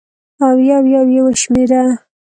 او یو یو یې وشمېره